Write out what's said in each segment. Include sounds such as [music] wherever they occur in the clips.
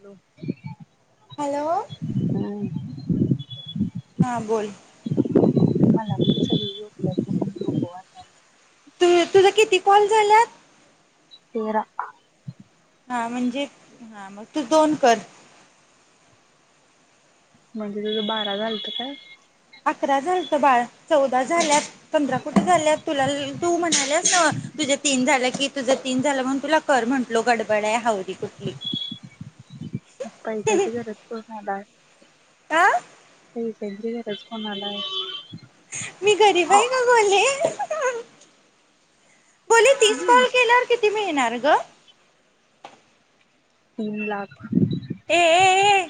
Hello hello हम्म हा बोल मला तर सगळं योग्य वाटतंय, सोप्प वाटायलं. तु तुझं किती कॉल झाल्यात. तेरा हा म्हणजे हा मग तू दोन कर. म्हणजे तुझं बारा झालतं काय? अकरा झालत बाळ चौदा झाल्यात. पंधरा कोटी झाल्या, तुला तू म्हणालेस ना तुझ्या तीन झाल्या की तुझा तीन झालं म्हणून तुला कर म्हटलो ग पैशाची गरज कोनाला हाय? आ पैशांची गरज तेच कोणाला आहे. मी गरीब आहे का गोले बोले तीस कॉल केल्यावर कि कीती मिळणार ग तीन लाख ए ए ए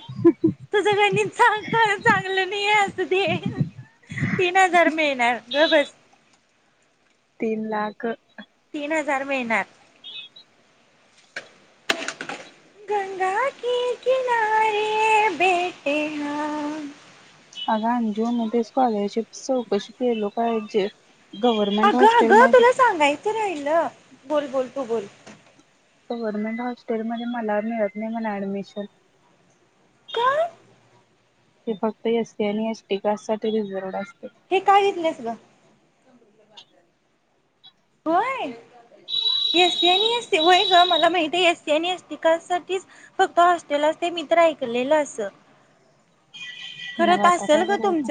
तुझ गणित सांग खरंच चांगलं नाहीये असं दे तीन हजार मिळणार ग बस तीन लाख न हजार मिळणारं गंगा की किनारे बैठे हा अग अंजू म ते स्कॉलरशिपच चौकशी केलो पाहिजे अगं अगं तुला सांगाय तर राहिल बोल बोल तू बोल गव्हर्मेंट हॉस्टेलमध्ये मला मिळत नाही म्हणा ऍडमिशन का ते फक्त एसी आणि एसटी कास्ट साठी रिझर्व्हड असतं हे काय घेतलेस ग होय एस सी आणि एस सी होय ग मला माहित आहे एस सी आणि एसटी कास्ट साठीच फक्त हॉस्टेल असते मी तर ऐकलेलं अस मग आता काय करायचं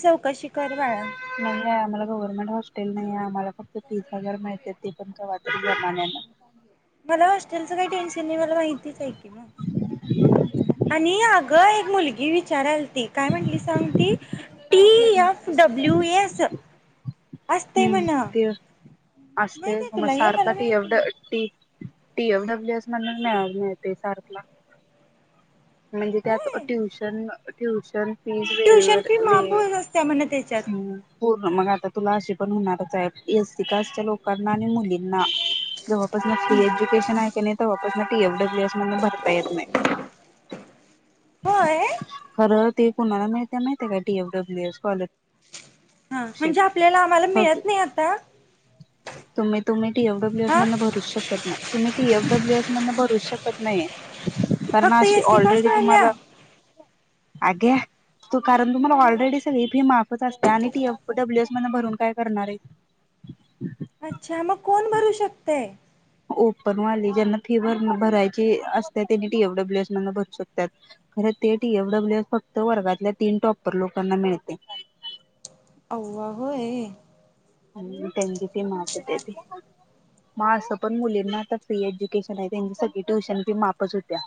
चौकशी कर बाळा नाही आम्हाला गव्हर्मेंट हॉस्टेल नाही आहे आम्हाला फक्त तीस हजार माहित ते पण [inaudible] मला हॉस्टेलच काही टेन्शन नाही मला माहितीच आहे की मग आणि अगं एक मुलगी विचाराय काय म्हटली सांग ती टी एफ डब्ल्यू एस असतय म्हण हूं ते माहित असतंय आहे गं मग तुला हे सारखं मला टी एफ माहित ड नाही T P F W S मधन तर मिळतंय [unintelligible] म्हणजे त्यात होय ट्युशन ट्यू तर ट्युशन फी माफ होत असत्या म्हण त्याच्यात पूर्ण मग आता तुला अशी पण होणारच आहे एस सी कास्टच्या लोकांना आणि मुलीं ना जवळपास [unintelligible] एज्युकेशन आहेत. तेनी तवापासन पी एफ डब्ल्यू एस मधन भरता येत नाय. होय खर ते कुणाला मिळतय माहित हाय काय T F W S scholar हा शिप म्हणजे आपल्याला आम्हाला मिळत नाही आता तुम्ही तुम्ही टी एफ डब्ल्यू एस हा मधन भरूच शकत नाय तुम्ही टी एफ डब्ल्यू एस मधन भरूच शकत नाही. कारण फक्त अशी ती एसी कास्ट ऑलरेडी वाल्या तुम्हाला अगं कारण तुम्हांला ऑलरेडी मग सगळी फी माफच असत्या आणि टी एफ डब्ल्यू एस मगं भरून काय करणार आहे अच्छा मग कोण भरू शकतय ओपन वाली ज्यांना फी भर भरायची असते त्यांनी टी एफ डब्ल्यू एस मध्न भरू शकतात खर ते टी एफ डब्ल्यू एस फक्त वर्गातल्या तीन टॉपर लोकांना मिळते अव्वा होय.. आणि त्यांची फी माफ होते ती मग असं पण मुलींना [unintelligible] आता फ्री एज्युकेशन आहे त्यांची सगळी ट्युशन फी माफच होत्या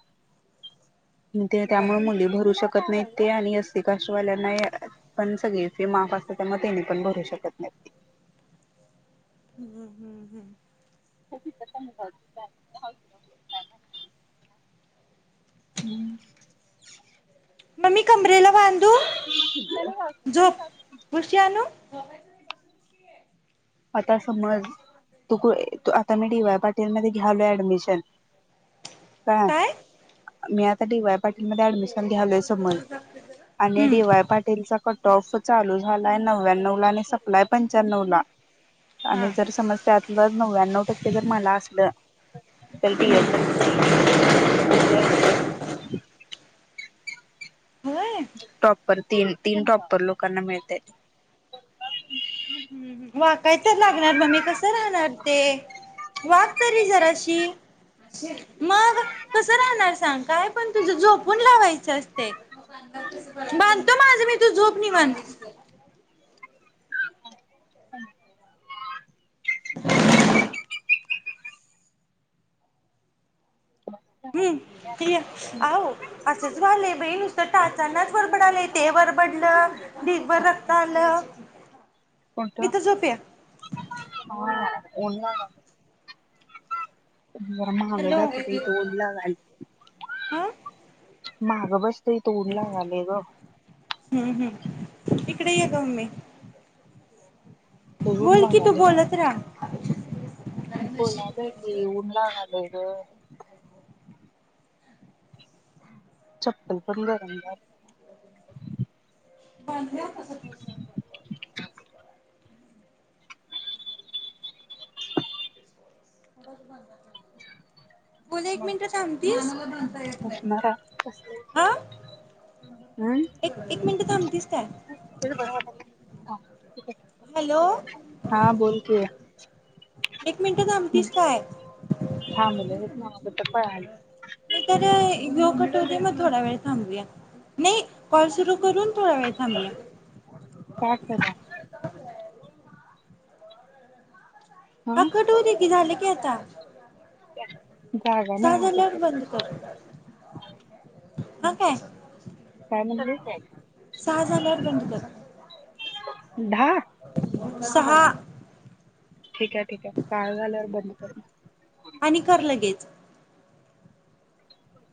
ते हम्म त्यामुळे मुली भरू शकत नाहीत ते आणि एसटी कास्ट वाल्यांना पण सगळी फी माफ असत्या त्यामुळे तेनी पण भरू शकत नाही हम्म हम्म हम्म [unintelligible] हम्म मग मी कमरेला बांधू झोप उशी आणू [unintelligible] आता समज तु कू आता मी डी वाय पाटील मधे घ्यालो ऍडमिशन का? काय मी आता डी वाय पाटीलमध्ये ऍडमिशन घ्यालोय समज आणि हम्म डी वाय पाटीलचा क टॉफ त चालू झालाय नव्याण्व ला आणि संपलाय पंच्याण्णव ला हा आणि जर समज त्यातल नव्याण्णव टक्के जर मला असलं तर टीएफडब्लु डब्ल्यू एस ए [inaudible] होय टॉपर तीन तीन टॉपर लोकांना मिळतय हम्म वाकाय तर लागणार मम्मी कसं राहणार ते वाक तरी जराशी मग कस राहणार? सांग काय? पण तुझ झोपून लावायचं असते बांधतो माझ मी तू झोप निवांत. [unintelligible] [inaudible] हम्म ही घ्या आवो! असू द्या झाले बाई नुसतं टाचानाच वरबडालेय ते वरबडलं ढीगभर रक्त आलं [inaudible] कोणत इथं झोप या [unintelligible] [unintelligible] जरा मागं हॅलो जातो बाई इथं ऊन लागालय हा [unintelligible] माहागं बस तई इथं ऊन रागावर ग हूं हूं इकडे ये ग मम्मी लय ऊन बोल की, तू लागालय बोलत राहा. बोलालोय की ऊन लागालय हो ग चप्पल पण गरम झालय [unintelligible] [inaudible] बघ [unintelligible] बोला एक नाही मिनिट थांबतीस बसणार आहे हा [unintelligible] एक एक मिनिट थांब [unintelligible] बरं वाटालय आ हॅलो [unintelligible] हा बोल की एक मिनिट थांबतीस काय? [unintelligible] थांबलोयच नव्ह कुठं पळालोय नही तर [unintelligible] मग थोडा वेळ थांबुया नाही कॉल सुरू करून थोडा वेळ थांबवुया काय कराव हं हाकट होऊ देकी झालं की पी आता जागा सहा नाही अगं झाल्यावर तर बंद कर हं काय? काय म्हणली सहा झाल्यावर बंद कर दहा [unintelligible] सहा ठीक आहे ठीक आहे सहा झाल्यावर बंद करतो आणि कर लगेच हो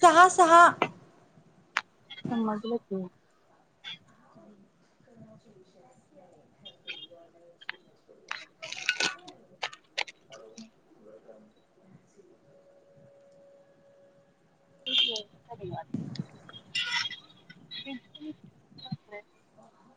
सहा सहा समजलं कि [unintelligible]